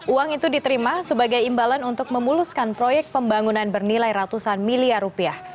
uang itu diterima sebagai imbalan untuk memuluskan proyek pembangunan bernilai ratusan miliar rupiah